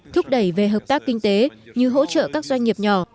thúc đẩy về hợp tác kinh tế như hỗ trợ các doanh nghiệp nhỏ